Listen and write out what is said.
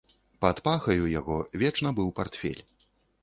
Пад пахаю яго вечна быў партфель.